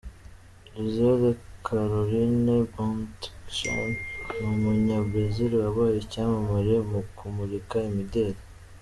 Gisèle Caroline Bündchen:Ni umunya-brazil wabaye icyamamare mu kumurika imideli.